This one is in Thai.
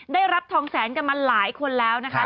ได้รับทองแสนกันมาหลายคนแล้วนะคะ